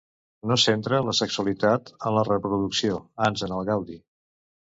No centre la sexualitat en la reproducció, ans en el gaudi.